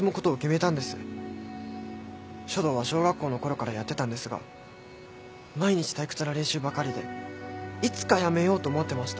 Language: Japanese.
書道は小学校のころからやってたんですが毎日退屈な練習ばかりでいつかやめようと思ってました。